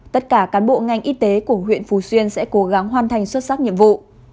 tất cả cán bộ ngành y tế của huyện phú xuyên sẽ cố gắng hoàn thành xuất sắc nhiệm vụ